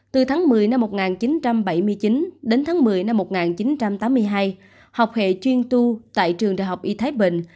từ tháng một mươi năm một nghìn chín trăm bảy mươi chín đến tháng một mươi năm một nghìn chín trăm tám mươi hai học hệ chuyên tu tại trường đại học y thái bình